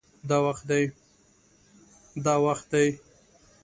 دا وخت دی